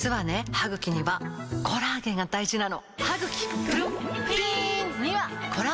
歯ぐきにはコラーゲンが大事なの！